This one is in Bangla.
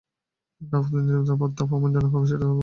কাউকে নীতিমালা পড়তে বলা অপমানজনক হবে, সেটা তো আগে জানতাম না।